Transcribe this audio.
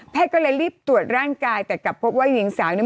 ก็เลยรีบตรวจร่างกายแต่กลับพบว่าหญิงสาวเนี่ย